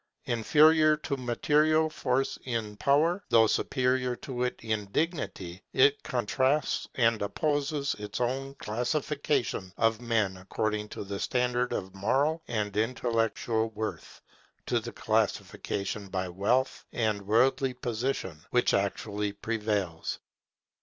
Inferior to material force in power, though superior to it in dignity, it contrasts and opposes its own classification of men according to the standard of moral and intellectual worth, to the classification by wealth and worldly position which actually prevails.